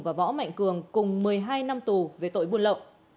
và võ mạnh cường cùng một mươi hai năm tù về tội buôn lậu